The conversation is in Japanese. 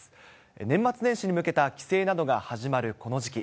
年末年始に向けた帰省などが始まるこの時期。